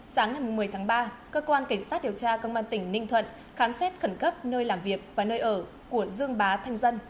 sáng ngày một mươi tháng ba cơ quan cảnh sát điều tra công an tỉnh ninh thuận khám xét khẩn cấp nơi làm việc và nơi ở của dương bá thanh dân